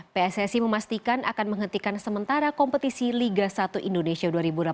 pssi memastikan akan menghentikan sementara kompetisi liga satu indonesia dua ribu delapan belas